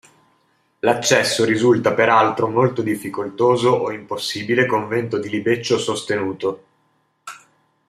L'accesso risulta peraltro molto difficoltoso o impossibile con vento di libeccio sostenuto.